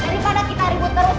daripada kita ribut terus